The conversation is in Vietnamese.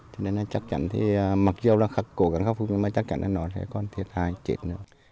cho nên là chắc chắn thì mặc dù là cố gắng khắc phục nhưng mà chắc chắn là nó sẽ còn thiệt hại chết nữa